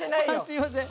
すいません。